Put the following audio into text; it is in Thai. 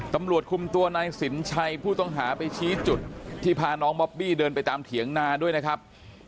ตำรวจคุมตัวนายสินชัยผู้ต้องหาไปชี้จุดที่พาน้องบอบบี้เดินไปตามเถียงนาด้วยนะครับ